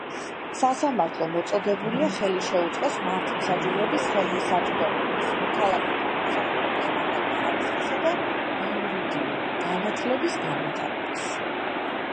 სასამართლო მოწოდებულია ხელი შეუწყოს მართლმსაჯულების ხელმისაწვდომობის, მოქალაქეთა მომსახურების მაღალი ხარისხისა და იურიდიულ განათლების განვითარებას.